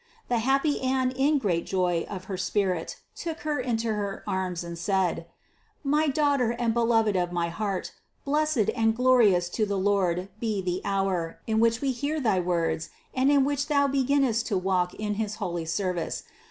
The happy Anne in great joy of her spirit took Her into her arms and said: "My Daughter and Beloved of my heart, blessed and glorious to the Lord be the hour, in which we hear thy words and in which Thou beginnest to walk in his holy service.